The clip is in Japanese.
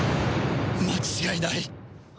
間違いない